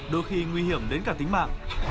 đôi khi nguy hiểm đến cả tính mạng